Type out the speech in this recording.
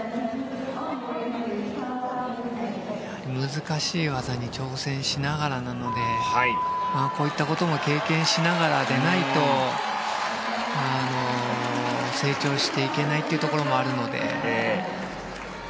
難しい技に挑戦しながらなのでこういったことも経験しながらでないと成長していけないというところもあるので。